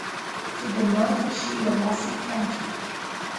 To the north is Shiawassee County.